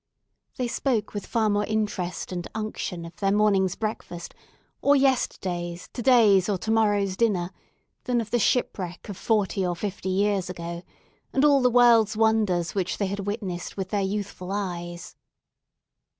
They spoke with far more interest and unction of their morning's breakfast, or yesterday's, today's, or tomorrow's dinner, than of the shipwreck of forty or fifty years ago, and all the world's wonders which they had witnessed with their youthful eyes.